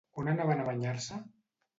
On anaven a banyar-se?